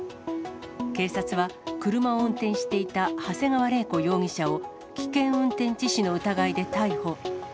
警察は、車を運転していた長谷川玲子容疑者を、危険運転致死の疑いで逮捕。